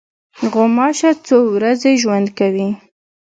غوماشه څو ورځې ژوند کوي.